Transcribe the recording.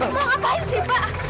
mau ngapain sih pak